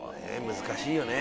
難しいよね。